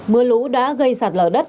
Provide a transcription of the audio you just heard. mưa lũ đã gây sạt lở đất